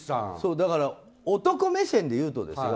だから、男目線で言うとですよ